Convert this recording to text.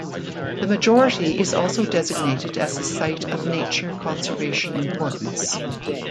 The majority is also designated as a Site of Nature Conservation Importance.